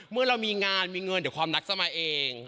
เมื่อเรามีงานมีเงินเดี๋ยวความรักจะมาเอง